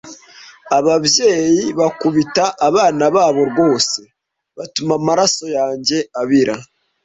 Ababyeyi bakubita abana babo rwose batuma amaraso yanjye abira.